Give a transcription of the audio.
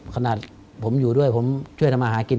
ขนาดผมอยู่ด้วยผมช่วยทำอาหารกิน